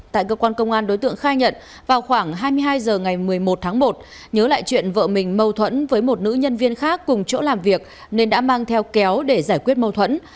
tại cơ quan công an đối tượng khai nhận vào khoảng hai mươi hai h ngày một mươi một tháng một nhớ lại chuyện vợ mình mâu thuẫn với một nữ nhân viên khác cùng chỗ làm việc nên đã mang theo kéo để giải quyết mâu thuẫn